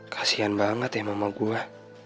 kasian banget ya mama gue